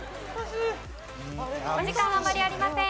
お時間はあまりありません。